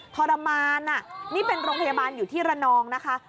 ทรมานนี่เป็นโรงพยาบาลอยู่ที่ระนองนะคะ